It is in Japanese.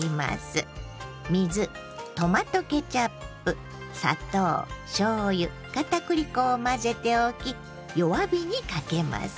水トマトケチャップ砂糖しょうゆ片栗粉を混ぜておき弱火にかけます。